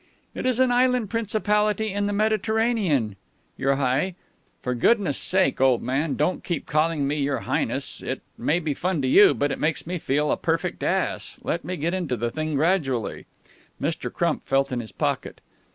"It is an island principality in the Mediterranean, Your High " "For goodness' sake, old man, don't keep calling me 'Your Highness.' It may be fun to you, but it makes me feel a perfect ass. Let me get into the thing gradually." Mr. Crump felt in his pocket.